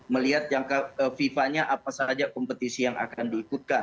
melihat jangka fifa nya apa saja kompetisi yang akan diikutkan